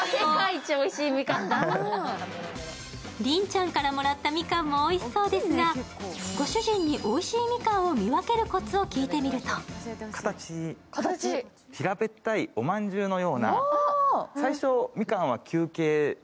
凜ちゃんからもらったみかんもおいしそうですがご主人に、おいしいみかんを見分けるコツを聞いてみると続いて、ゆいなちゃんも。